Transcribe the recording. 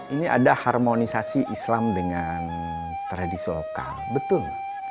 ini ada harmonisasi islam dengan tradisi lokal betul